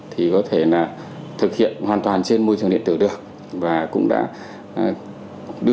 thì có thể là thực hiện hoàn toàn trên môi trường điện tử được và cũng đã đưa vào cái quy định của thông tư một mươi năm